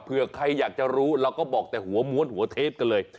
เพื่อใครอยากจะรู้เราก็บอกแต่หัวม้วนหัวเทปกันเลย